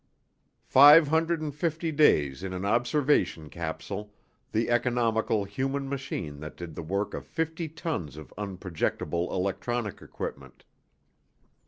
Five hundred and fifty days in an observation capsule, the economical human machine that did the work of fifty tons of unprojectable electronic equipment.